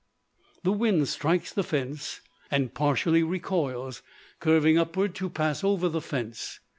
The wind strikes the fence and partially recoils, curving upward to pass over the fence.